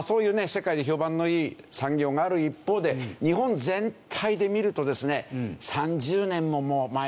世界で評判のいい産業がある一方で日本全体で見るとですね。